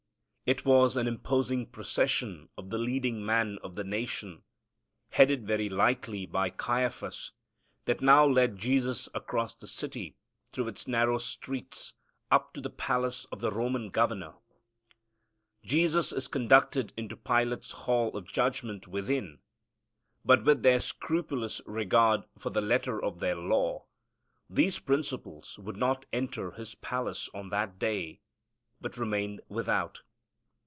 It was an imposing procession of the leading men of the nation, headed very likely by Caiaphas, that now led Jesus across the city, through its narrow streets, up to the palace of the Roman governor. Jesus is conducted into Pilate's hall of judgment within, but, with their scrupulous regard for the letter of their law, these principals would not enter his palace on that day, but remained without.